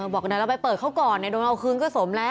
บอกว่าเราไปเปิดเขาก่อนโดนเอาคื้งเข้าสมนะ